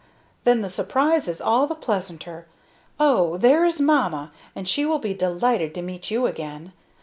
Then the surprise is all the pleasanter. Oh! there is mamma, and she will be delighted to meet you again.